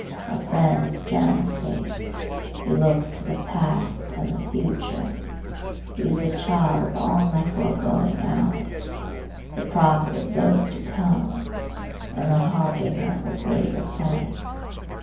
A friend is Janus faced; he looks to the past and the future. He is the child of all my foregoing hours, the prophet of those to come, and the harbinger of a greater friend.